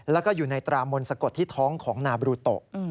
แล้วก็อยู่ในตรามนสะกดที่ท้องของนาบรูโต